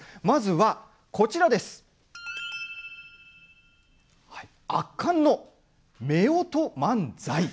まずは圧巻のめおと漫才。